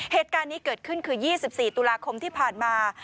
เหตุการณ์นี้เกิดขึ้นคือ๒๔ตุลาคมที่ผ่านมา